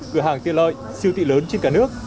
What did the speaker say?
cửa hàng tiên loại siêu thị lớn trên cả nước